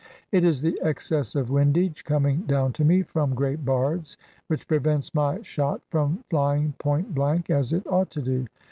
It is the excess of windage, coming down to me from great bards, which prevents my shot from flying point blank, as it ought to do.